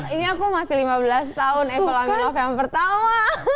ini aku masih lima belas tahun evel amin love yang pertama